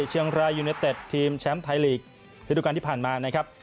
เชียงรายยูเนเต็ดทีมแชมป์ไทยลีกฤดูการที่ผ่านมานะครับ